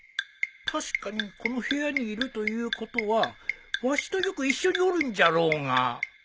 確かにこの部屋にいるということはわしとよく一緒におるんじゃろうが